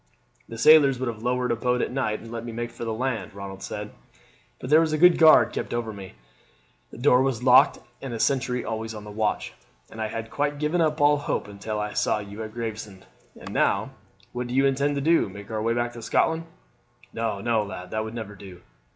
"The sailors would have lowered a boat at night and let me make for the land," Ronald said, "but there was a good guard kept over me. The door was locked and a sentry always on watch, and I had quite given up all hope until I saw you at Gravesend. And now, what do you intend to do? Make our way back to Scotland?" "No, no, lad, that would never do.